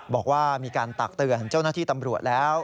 บอกว่ามีการตักเตือนเจ้าหน้าที่ตำรวจแล้ว